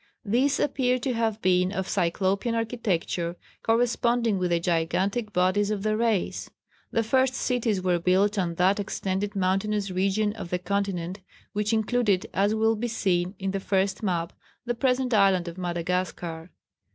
These appear to have been of cyclopean architecture, corresponding with the gigantic bodies of the race. The first cities were built on that extended mountainous region of the continent which included, as will be seen in the first map, the present Island of Madagascar.